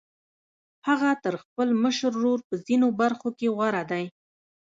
هغه تر خپل مشر ورور په ځينو برخو کې غوره دی.